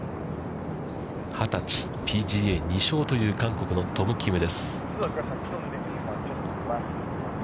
二十、ＰＧＡ２勝という韓国のトム・キムです。